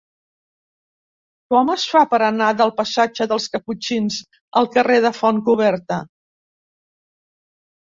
Com es fa per anar del passatge dels Caputxins al carrer de Fontcoberta?